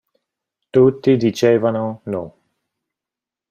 Tutti dicevano: no.